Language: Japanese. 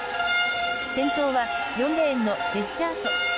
先頭は、４レーンのベッジャート。